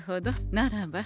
ならば。